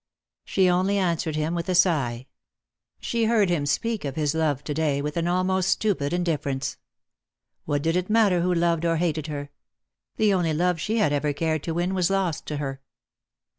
She only answered with a sigh. She heard him speak of his love to day with an almost stupid indifference. What did it matter who loved or hated her ? The only love she had ever cared to win was lost to her.